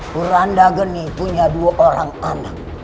kuranda geni punya dua orang anak